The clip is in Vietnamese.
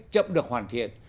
chậm được hoàn thiện